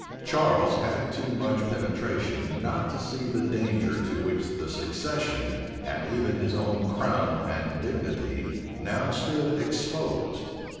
Charles had too much penetration not to see the danger to which the succession, and even his own crown and dignity, now stood exposed.